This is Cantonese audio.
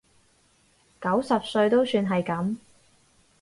九十歲都算係噉